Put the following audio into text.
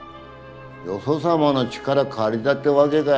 よそ様の力借りたってわけか。